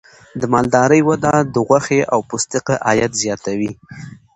د مالدارۍ وده د غوښې او پوستکي عاید زیاتوي.